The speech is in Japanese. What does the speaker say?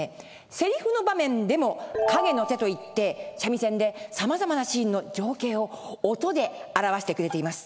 せりふの場面でも陰の手といって三味線でさまざまなシーンの情景を音で表してくれています。